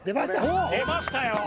出ました！